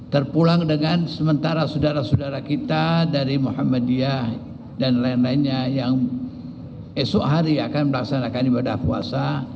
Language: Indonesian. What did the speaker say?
terpulang dengan sementara saudara saudara kita dari muhammadiyah dan lain lainnya yang esok hari akan melaksanakan ibadah puasa